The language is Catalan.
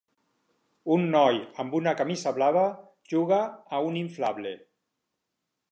Un noi amb una camisa blava juga a un inflable.